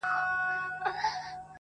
باز له ليري را غوټه له شنه آسمان سو!!